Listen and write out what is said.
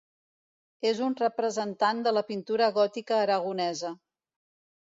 És un representant de la pintura gòtica aragonesa.